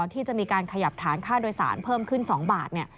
ที่จะมีการขยับฐานค่าโดยสารเพิ่มขึ้น๒บาท